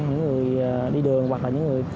những người đi đường hoặc là những người